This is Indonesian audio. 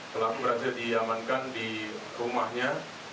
pelaku berhasil diamankan di rumahnya